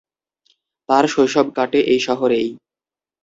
তার শৈশব কাটে এই শহরেই।